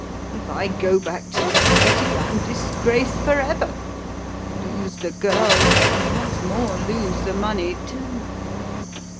If I go back to the City, I'm disgraced for ever lose the girl and, what's more, lose the money too.